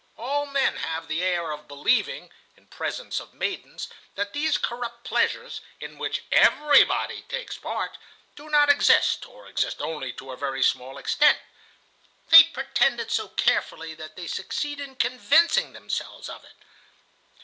All men have the air of believing, in presence of maidens, that these corrupt pleasures, in which everybody takes part, do not exist, or exist only to a very small extent. They pretend it so carefully that they succeed in convincing themselves of it.